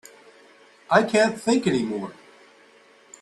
I can't think any more.